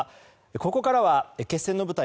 ここからは決戦の舞台